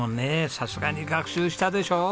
さすがに学習したでしょ？